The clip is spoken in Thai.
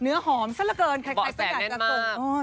เนื้อหอมซะละเกินแข็งสะกัดแน่นมาก